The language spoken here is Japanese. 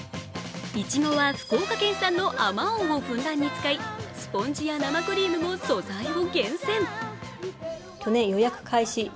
いちごは福岡県産のあまおうをふんだんに使いスポンジや生クリームも素材を源泉。